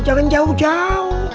jangan jauh jauh